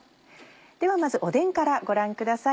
ではまずおでんからご覧ください。